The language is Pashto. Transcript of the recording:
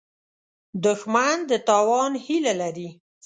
دښمن د تاوان هیله لري